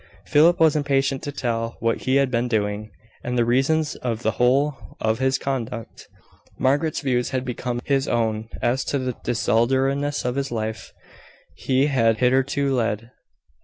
Philip was impatient to tell what he had been doing, and the reasons of the whole of his conduct. Margaret's views had become his own, as to the desultoriness of the life he had hitherto led.